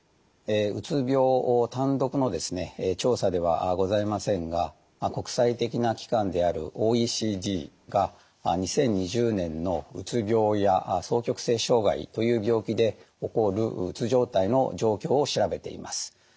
うつ病を単独の調査ではございませんが国際的な機関であるＯＥＣＤが２０２０年のうつ病や双極性障害という病気で起こるうつ状態の状況を調べています。